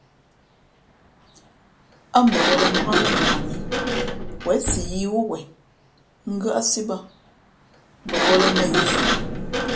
Ά mbαwᾱlᾱ nák mά nak mǐ zěn si yīī wú wen ngʉ́άʼsí bᾱ, mbαwᾱlᾱ mα̌ yi fʉʼ.